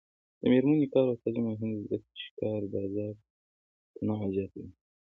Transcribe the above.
د میرمنو کار او تعلیم مهم دی ځکه چې کار بازار تنوع زیاتوي.